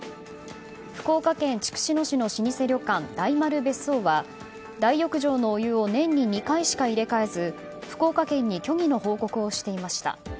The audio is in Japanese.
福岡県筑紫野市の老舗旅館大丸別荘は大浴場のお湯を年に２回しか入れ替えず福岡県に虚偽の報告をしていました。